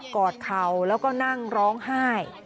อดเข่าแล้วก็นั่งร้องไห้